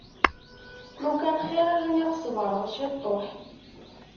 Lukan xir i rniɣ ṣebreɣ ciṭuḥ.